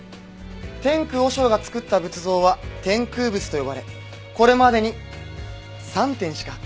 天空和尚がつくった仏像は天空仏と呼ばれこれまでに３点しか発見されていないんだ。